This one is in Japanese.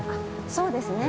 そうですね